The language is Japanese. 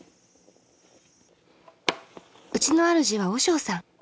うちのあるじは和尚さん。